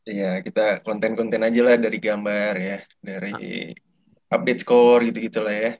iya kita konten konten aja lah dari gambar ya dari update score gitu gitu lah ya